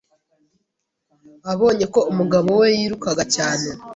abonye ko umugabo we yirukaga cyane